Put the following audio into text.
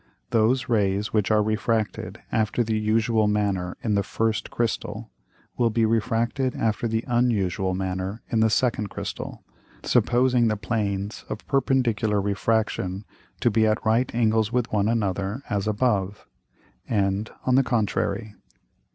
Those Rays which are refracted after the usual manner in the first Crystal, will be refracted after the unusual manner in the second Crystal, supposing the Planes of perpendicular Refraction to be at right Angles with one another, as above; and on the contrary.